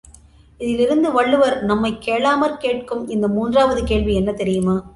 இதிலிருந்து வள்ளுவர் நம்மைக் கேளாமற் கேட்கும் இந்த மூன்றாவது கேள்வி என்ன தெரியுமா?